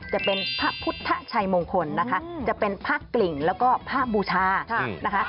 จะเป็นพระพุทธชัยมงคลนะคะจะเป็นพระกลิ่งแล้วก็ภาพบูชานะคะ